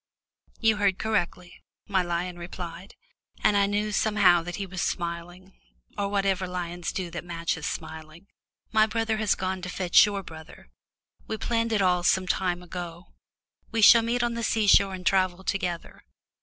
"You heard correctly," my lion replied, and I knew somehow that he was smiling, or whatever lions do that matches smiling. "My brother has gone to fetch your brother we planned it all some time ago we shall meet on the sea shore and travel together.